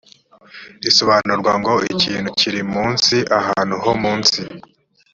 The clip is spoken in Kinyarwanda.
risobanurwa ngo ikintu kiri munsi ahantu ho munsi